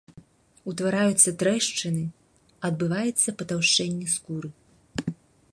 Утвараюцца трэшчыны, адбываецца патаўшчэнне скуры.